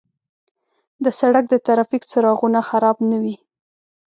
د سړک د ترافیک څراغونه خراب نه وي.